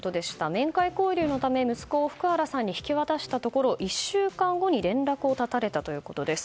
面会交流のため息子を福原さんに引き渡したところ１週間後に連絡を絶たれたということです。